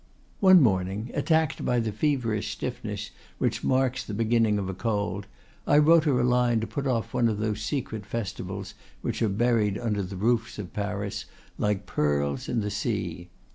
"One morning, attacked by the feverish stiffness which marks the beginning of a cold, I wrote her a line to put off one of those secret festivals which are buried under the roofs of Paris like pearls in the sea.